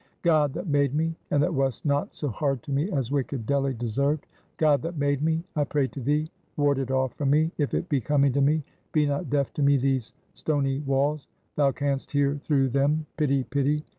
"God that made me, and that wast not so hard to me as wicked Delly deserved, God that made me, I pray to thee! ward it off from me, if it be coming to me. Be not deaf to me; these stony walls Thou canst hear through them. Pity! pity!